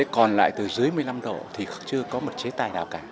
còn lại từ dưới một mươi năm độ thì chưa có một chế tài nào cả